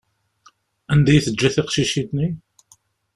Anda i teǧǧa tiqcicin-nni?